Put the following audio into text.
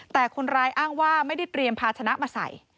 แต่คนร้ายอ้างว่าไม่ได้เตรียมภาชนะมาใส่